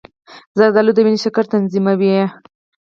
زردآلو د وینې شکر تنظیموي.